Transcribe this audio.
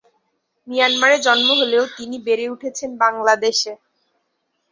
মিয়ানমারে জন্ম হলেও তিনি বেড়ে উঠেছেন বাংলাদেশে।